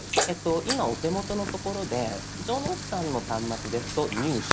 今お手元の所で城之内さんの端末ですと「入手」。